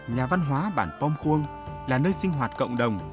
nhà văn hóa bản pom khuông là nơi sinh hoạt cộng đồng